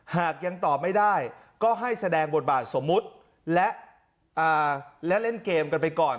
หากยังตอบไม่ได้ก็ให้แสดงบทบาทสมมุติและเล่นเกมกันไปก่อน